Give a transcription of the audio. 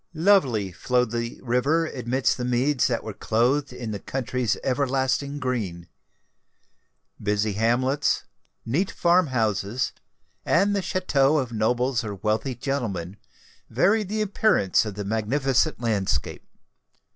Lovely flowed the river amidst the meads that were clothed in the country's everlasting green. Busy hamlets, neat farm houses, and the chateaux of nobles or wealthy gentlemen, varied the appearance of the magnificent landscape.